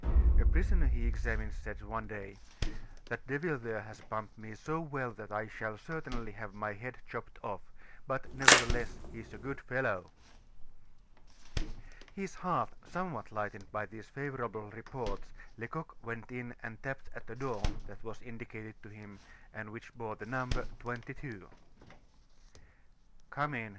A prisoner he had examined said one day: 'That devil there has pumped me so well that I shall certainly have my head chopped off; but, nevertheless, he's a good fellow!" His heart somewhat lightened by these favorable reports, Lecoq went and tapped at a door that was indicated to him, and which bore the number 22. "Come in!"